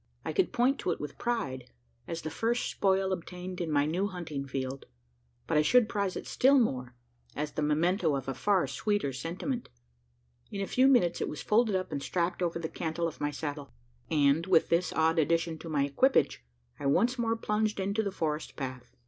I could point to it with pride as the first spoil obtained in my new hunting field; but I should prize it still more, as the memento of a far sweeter sentiment. In a few minutes, it was folded up, and strapped over the cantle of my saddle; and, with this odd addition to my equipage, I once more plunged into the forest path.